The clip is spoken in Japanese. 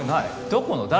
どこの誰？